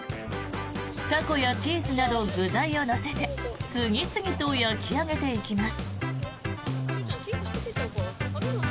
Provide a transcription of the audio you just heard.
タコやチーズなど具材を乗せて次々と焼き上げていきます。